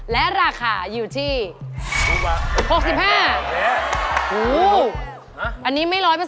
และราคาอยู่ที่